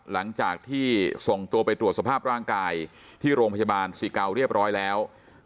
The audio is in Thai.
หลังจากที่ส่งตัวไปตรวจสภาพร่างกายที่โรงพยาบาลศรีเกาเรียบร้อยแล้ว